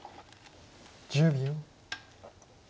１０秒。